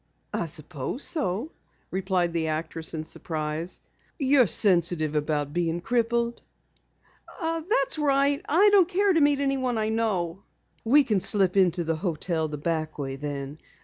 "I suppose so," replied the actress in surprise. "You're sensitive about being crippled?" "That's right. I don't care to meet anyone I know." "We can slip into the hotel the back way, then.